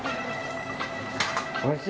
おいしい！